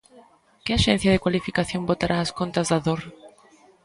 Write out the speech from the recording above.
Que axencia de cualificación botará as contas da dor?